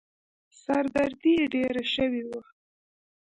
سر دردي يې ډېره شوې وه.